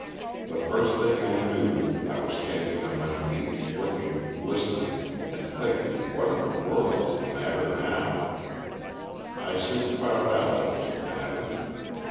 The first thing I knew I was standing on my feet looking, listening, and thinking what in the world is the matter now? I soon found out what was the matter.